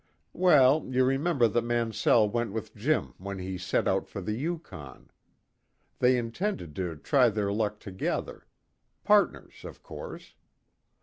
"Well, you remember that Mansell went with Jim when he set out for the Yukon. They intended to try their luck together. Partners, of course.